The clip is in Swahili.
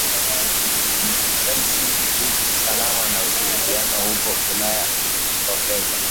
Helsinki kuhusu Usalama na Ushirikiano huko Ulaya ulitokeza